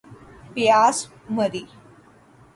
پیاس مری